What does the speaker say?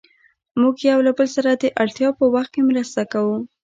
موږ يو له بل سره د اړتیا په وخت کې مرسته کوو.